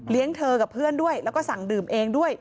เธอกับเพื่อนด้วยแล้วก็สั่งดื่มเองด้วย